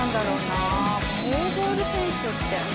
バレーボール選手って。